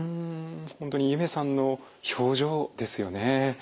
本当にゆめさんの表情ですよね。